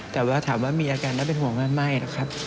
แต่ว่าถามว่ามีอาการน่าเป็นห่วงกันไม่นะครับ